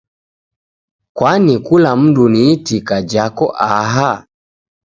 Kwani kula mundu ni itika jako aha?